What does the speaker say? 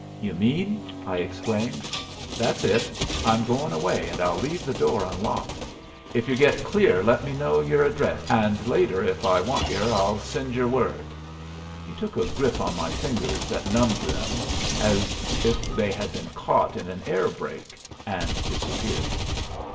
"You mean ?" I exclaimed. "That's it. I'm goin' away, and I'll leave the door unlocked. If yer get clear let me know yer address, and later, if I want yer, I'll send yer word." He took a grip on my fingers that numbed them as if they had been caught in an air brake, and disappeared.